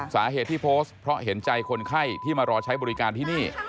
สาเหตุที่โพสต์เพราะเห็นใจคนไข้ที่มารอใช้บริการที่นี่